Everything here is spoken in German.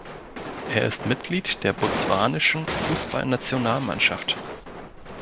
Er ist Mitglied der botswanischen Fußballnationalmannschaft.